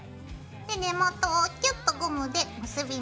で根元をキュッとゴムで結びます。